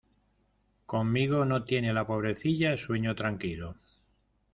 Conmigo no tiene la pobrecilla sueño tranquilo.